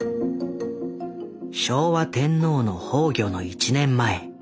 昭和天皇の崩御の１年前。